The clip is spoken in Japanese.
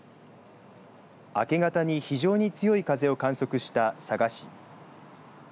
明け方に非常に強い風を観測した佐賀市。